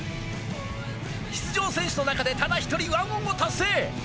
出場選手の中でただ一人１オンを達成。